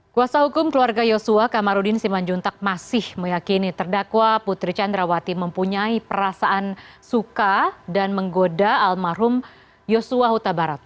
kuasa hukum keluarga yosua kamarudin simanjuntak masih meyakini terdakwa putri candrawati mempunyai perasaan suka dan menggoda almarhum yosua huta barat